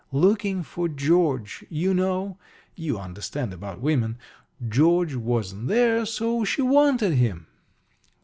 Looking for George, you know you understand about women George wasn't there, so she wanted him.